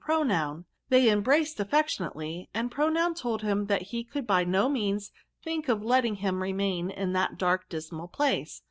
Pronoun. They embraced affection ately, and Pronoun told him that he could by no means think of letting him remain in that d^rk, dismal place.